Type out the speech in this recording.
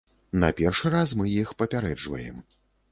На першы раз мы іх папярэджваем.